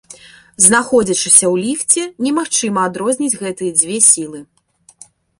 Знаходзячыся ў ліфце, немагчыма адрозніць гэтыя дзве сілы.